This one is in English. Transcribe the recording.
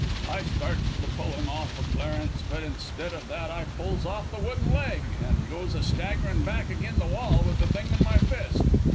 I starts to pull him off o' Clarence, but instead o' that I pulls off the wooden leg an' goes a staggerin' back agin the wall with the thing in my fist.